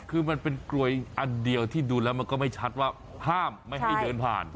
คือมันเป็นกลวยอันเดียวที่ดูแล้วมันไม่ชัดว่า